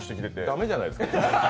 駄目じゃないですか。